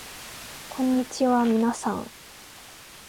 こんにちはみなさん